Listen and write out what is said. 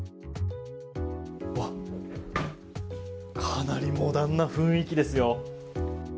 かなりモダンな雰囲気ですよ。